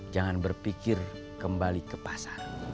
jangan berpikir kembali ke pasar